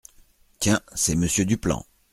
Tiens, c’est Monsieur Duplan.